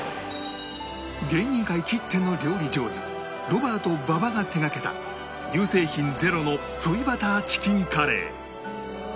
芸人界きっての料理上手ロバート馬場が手がけた乳製品ゼロのソイバターチキンカレー